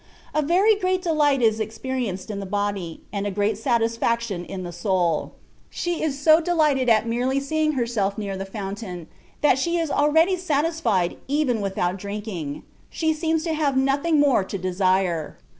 A very great delight is experienced in the body, and a great satisfaction in the soul. She is so delighted at merely seeing herself near the Foun tain, that she is already satisfied even without drink ing : she seems to have nothing more to desire.